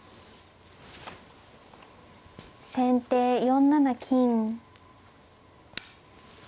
先手４七金。